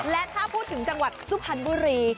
และถ้าพูดถึงจังหวัดสุพรรณบุรี